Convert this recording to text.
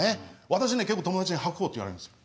私ね結構友達に白鵬って言われるんですよ。